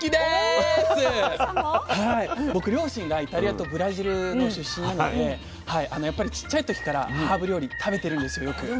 僕両親がイタリアとブラジルの出身なのでやっぱりちっちゃい時からハーブ料理食べてるんですよよく。